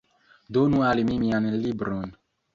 Donu al mi mian libron!